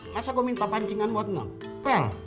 masa gua minta pancingan buat ngapel